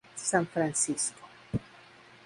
San Francisco".